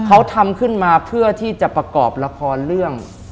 เขาทำขึ้นมาเพื่อที่จะประกอบละครเรื่อง